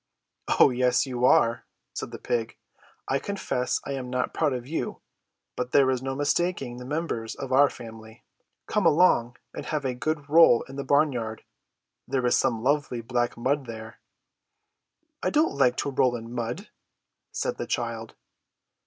"Oh, yes, you are!" said the pig. "I confess I am not proud of you, but there is no mistaking the members of our family. Come along, and have a good roll in the barnyard! There is some lovely black mud there." "I don't like to roll in mud!" said the child.